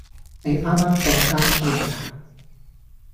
你啱啱放監出嚟呀？